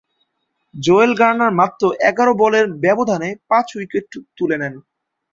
Joel Garner মাত্র এগারো বলের ব্যবধানে পাঁচ উইকেট তুলে নেন।